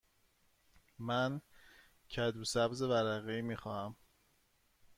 من کدو سبز ورقه ای می خواهم.